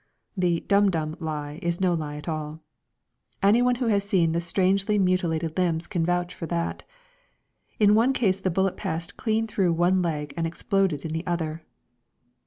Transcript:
The "dum dum" lie is no lie at all. Anyone who has seen the strangely mutilated limbs can vouch for that. In one case the bullet passed clean through one leg and exploded in the other.